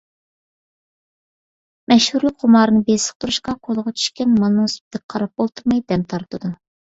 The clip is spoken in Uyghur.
مەشھۇرلۇق خۇمارىنى بېسىقتۇرۇشقا قولىغا چۈشكەن مالنىڭ سۈپىتىگە قاراپ ئولتۇرماي دەم تارتىدۇ.